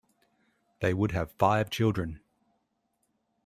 They would have five children.